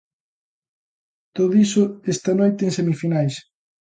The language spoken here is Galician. Todo iso esta noite en semifinais.